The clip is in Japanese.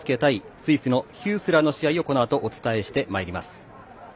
スイスのヒュースラーの試合をこのあとお伝えしてまいります。